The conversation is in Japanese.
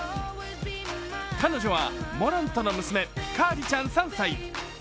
彼女はモラントの娘、カアリちゃん３歳。